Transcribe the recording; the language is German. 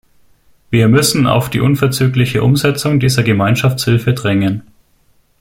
Wir müssen auf die unverzügliche Umsetzung dieser Gemeinschaftshilfe drängen.